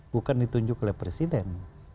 bukan ditunjuk oleh presiden